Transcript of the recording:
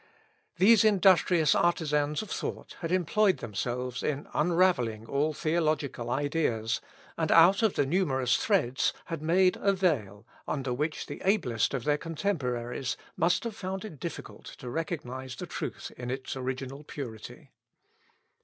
These industrious artisans of thought had employed themselves in unravelling all theological ideas, and out of the numerous threads had made a veil under which the ablest of their contemporaries must have found it difficult to recognise the truth in its original purity.